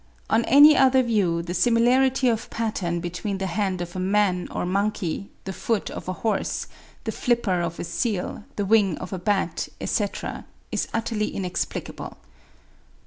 On any other view, the similarity of pattern between the hand of a man or monkey, the foot of a horse, the flipper of a seal, the wing of a bat, etc., is utterly inexplicable.